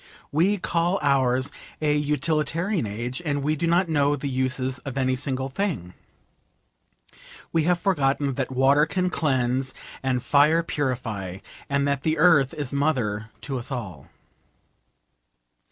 We call ours a utilitarian age, and we do not know the uses of any single thing. We have forgotten that water can cleanse, and fire purify, and that the Earth is mother to us all.